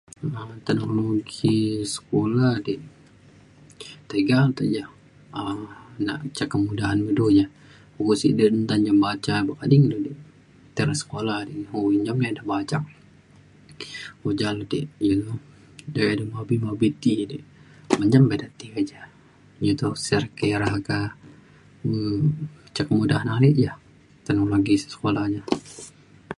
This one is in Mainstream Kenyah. te nulung de sekula di sekula di tiga te ja um nak ca kemudahan ngan du ja. [unintelligible] sik de baca tading de te re sekula buk menjam ida baca ja le ti iu de mobi mobi ti de menjam pa ida ti keja iu toh se kira kah um ca kemudahan ale ja teknologi sekula ja